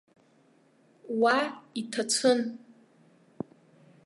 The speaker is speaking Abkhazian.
Уа иҭацәын.